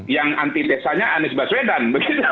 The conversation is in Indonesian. yang anti desanya anies baswedan